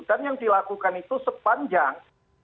dan yang dilakukan itu sepanjang